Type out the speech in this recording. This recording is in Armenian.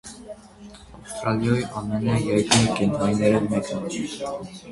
Աւստրալիոյ ամենէ յայտնի կենդանիներէն մէկն է։